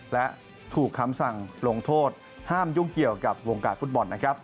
และถูกคำสั่งลงโทษห้ามยุ่งเกี่ยวกับวงการฟุตบอลนะครับ